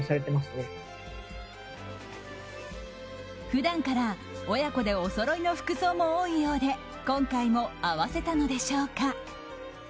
普段から親子でおそろいの服装も多いようで今回も合わせたのでしょうか。